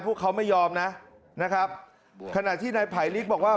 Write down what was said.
พวกเขาไม่ยอมนะขนาดที่ในภัยลิกบอกว่า